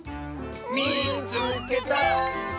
「みいつけた！」。